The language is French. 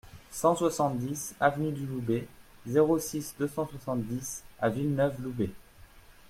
cent soixante-dix avenue du Loubet, zéro six, deux cent soixante-dix à Villeneuve-Loubet